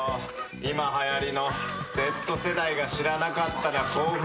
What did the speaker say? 今はやりのＺ世代が知らなかったら興奮する昭和おじさん。